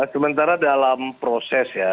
sementara dalam proses ya